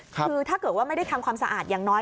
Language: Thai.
คือถ้าเกิดว่าไม่ได้ทำความสะอาดอย่างน้อย